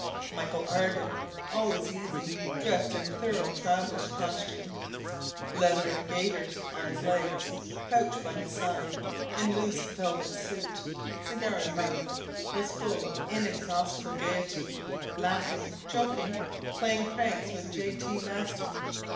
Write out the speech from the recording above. Michel Ardan, always easy, dressed in thorough traveler's costume, leathern gaiters on his legs, pouch by his side, in loose velvet suit, cigar in mouth, was full of inexhaustible gayety, laughing, joking, playing pranks with J. T. Maston.